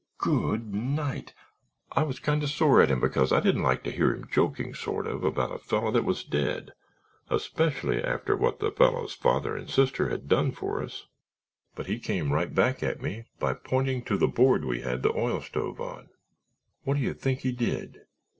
Go o d ni i ght! I was kind of sore at him because I didn't like to hear him joking, sort of, about a fellow that was dead, especially after what the fellow's father and sister had done for us, but he came right back at me by pointing to the board we had the oil stove on. What do you think he did?